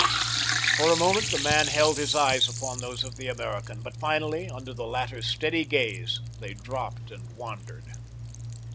For a moment the man held his eyes upon those of the American, but finally, under the latter's steady gaze, they dropped and wandered.